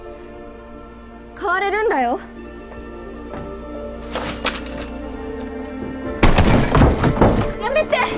変われるんだよやめて！